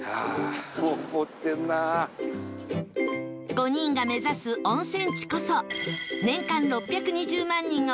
５人が目指す温泉地こそ年間６２０万人が訪れる